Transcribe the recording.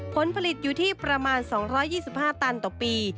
ผลผลิตอยู่ที่ประมาณ๒๒๕ตันต่อปี